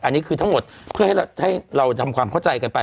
อันนี้คือทั้งหมดเพื่อให้เราทำความเข้าใจกันไป